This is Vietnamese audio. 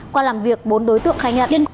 qua làm việc bốn đối tượng khai nhận